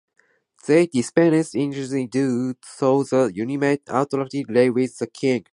They dispensed judicial duties too, though the ultimate authority lay with the king.